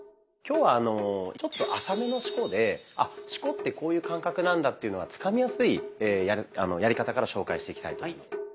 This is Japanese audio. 今日はちょっと浅めの四股で「あ四股ってこういう感覚なんだ」っていうのがつかみやすいやり方から紹介していきたいと思います。